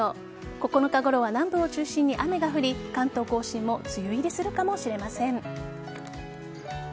９日ごろは南部を中心に雨が降り関東甲信も梅雨入りするかもしれません。